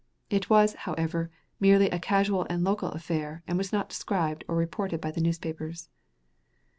It was, however, merely a casual and local affair and was not described or reported by the newspapers.